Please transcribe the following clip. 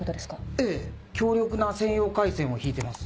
ええ強力な専用回線を引いてます。